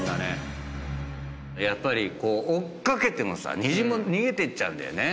やっぱり追っ掛けてもさ虹も逃げてっちゃうんだよね。